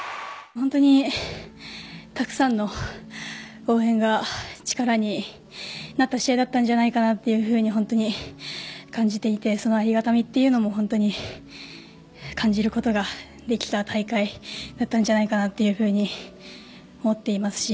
本当にたくさんの応援が力になった試合だったんじゃないかと本当に感じていてそのありがたみというのも本当に感じることができた大会だったんじゃないかなというふうに思っていますし。